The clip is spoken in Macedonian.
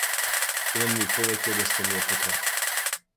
Имаме и повеќе одошто ни е потребно.